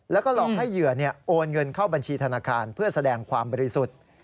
แล้วก็หลอกให้เหยื่อโอนเงินเข้าบัญชีธนาคารเพื่อแสดงความบริสุทธิ์